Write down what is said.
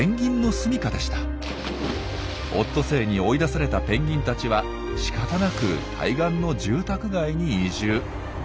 オットセイに追い出されたペンギンたちはしかたなく対岸の住宅街に移住。